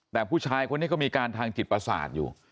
แต่ผู้ชายคนนี้ก็มีอาการทางจิตประสาทอยู่